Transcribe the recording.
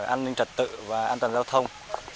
an ninh trật tự và an toàn giao thông